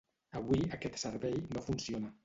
Avui, aquest servei no funciona.